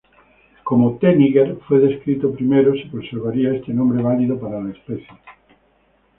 Como "T. niger" fue descrito primero, se conservaría este nombre válido para la especie.